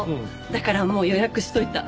だからもう予約しといた。